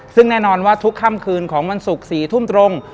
ซึ่งแน่นอนว่าทุกค่ำคืนของวันศุกร์๔ทุ่มตรง